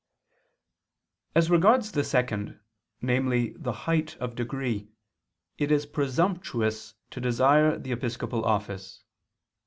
As regards the second, namely the height of degree, it is presumptuous to desire the episcopal office.